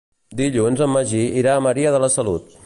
Dilluns en Magí irà a Maria de la Salut.